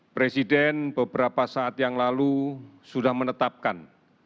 presiden beberapa saat yang lalu sudah menetapkan